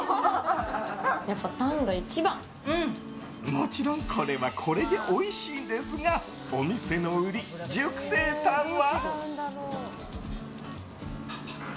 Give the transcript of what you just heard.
もちろん、これはこれでおいしいですがお店の売り、熟成タンは？